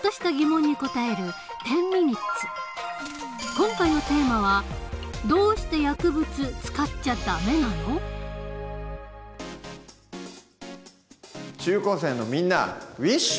今回のテーマは中高生のみんなウィッシュ！